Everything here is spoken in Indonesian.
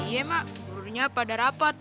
iya mak gurunya pada rapat